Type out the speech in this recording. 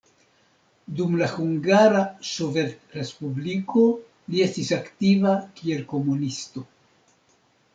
Dum la Hungara Sovetrespubliko li estis aktiva kiel komunisto.